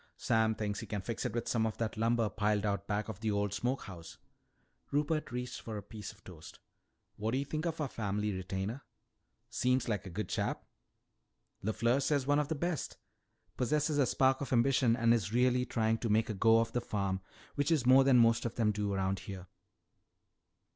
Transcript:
"Sam thinks he can fix it with some of that lumber piled out back of the old smoke house." Rupert reached for a piece of toast. "What do you think of our family retainer?" "Seems a good chap." "LeFleur says one of the best. Possesses a spark of ambition and is really trying to make a go of the farm, which is more than most of them do around here.